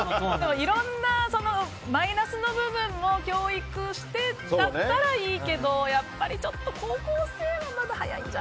いろんなマイナスの部分も教育してだったらいいけど、やっぱりちょっと高校生はまだ早いと